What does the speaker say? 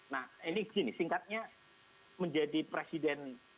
nah ini gini singkatnya menjadi presiden